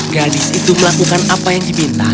gadis itu melakukan apa yang diminta